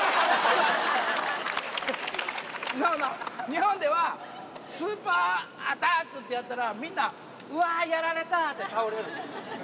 日本では「スーパーアタック！」ってやったらみんな「うわやられた」って倒れる。